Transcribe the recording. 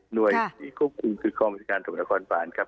หน่วยที่ควบคุมคือความจัดการตรวจนครบาลครับ